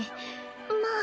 まあ。